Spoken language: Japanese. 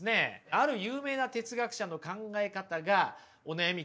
ある有名な哲学者の考え方がお悩み